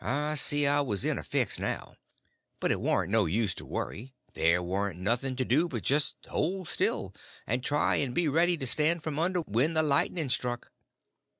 I see I was in a fix now. But it warn't no use to worry; there warn't nothing to do but just hold still, and try and be ready to stand from under when the lightning struck.